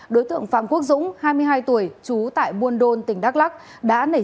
đối tượng phạm quốc dũng hai mươi hai tuổi